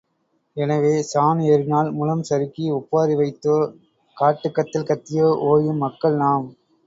எனவே சாண் ஏறினால் முழம் சறுக்கி ஒப்பாரி வைத்தோ காட்டுக் கத்தல் கத்தியோ, ஒயும் மக்கள் நாம்.